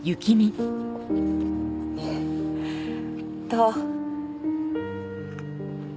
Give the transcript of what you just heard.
どう？